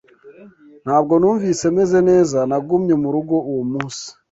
Ntabwo numvise meze neza, nagumye murugo uwo munsi.